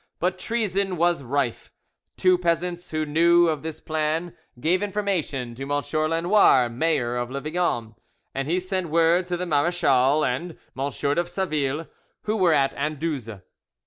But treason was rife. Two peasants who knew of this plan gave information to M. Lenoir, mayor of Le Vigan, and he sent word to the marechal and M. de Saville, who were at Anduze.